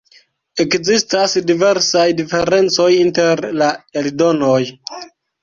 Ekzistas diversaj diferencoj inter la eldonoj.